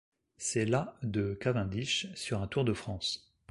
C'est la de Cavendish sur un Tour de France.